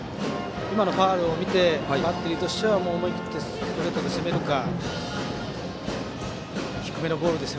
今のファウルを見てバッテリーとしては思い切ってストレートで攻めるか低めのボールです。